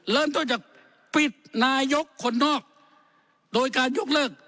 เริ่มต้นจากปิดนายกคนนอกโดยการยกเลิก